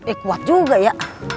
eh kuat juga ya